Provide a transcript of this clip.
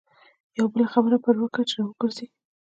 یوه بله خبره پر وکړه چې را وګرځي.